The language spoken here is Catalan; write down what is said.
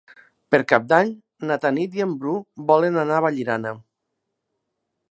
Per Cap d'Any na Tanit i en Bru volen anar a Vallirana.